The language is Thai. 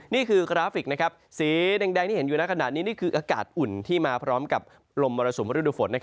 นี่คือกราฟิกสีแดงที่เห็นอยู่ในขณะนี้นี่คืออากาศอุ่นที่มาพร้อมกับลมมรสุมฤดูฝน